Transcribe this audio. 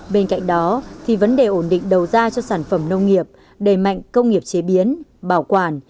bên cạnh đó thì vấn đề ổn định đầu ra cho sản phẩm nông nghiệp đầy mạnh công nghiệp chế biến bảo quản